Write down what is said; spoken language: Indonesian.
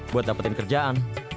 buat dapetin kerjaan